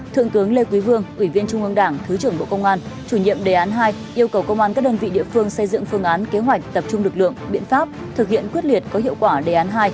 thượng tướng lê quý vương ủy viên trung ương đảng thứ trưởng bộ công an chủ nhiệm đề án hai yêu cầu công an các đơn vị địa phương xây dựng phương án kế hoạch tập trung lực lượng biện pháp thực hiện quyết liệt có hiệu quả đề án hai